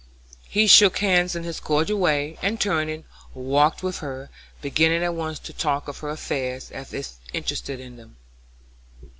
He shook hands in his cordial way, and, turning, walked with her, beginning at once to talk of her affairs as if interested in them.